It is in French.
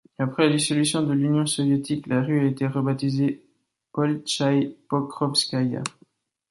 Après la dissolution de l'Union soviétique, la rue a été rebaptisée Bolchaïa Pokrovskaïa.